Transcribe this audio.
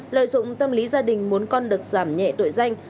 lợi dụng tâm lý gia đình muốn con được giảm nhẹ tội danh